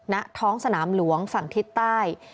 ณท้องสนามหลวงศักดิ์ที่ใต้